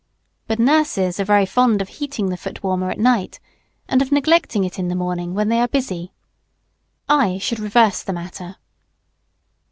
But nurses are very fond of heating the foot warmer at night, and of neglecting it in the morning, when they are busy. I should reverse the matter.